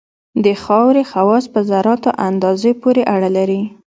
د خاورې خواص په ذراتو اندازه پورې اړه لري